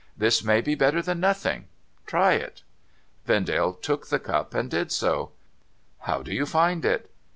This may be better than nothing ; try it.' Vendale took the cup, and did so. ' How do you find it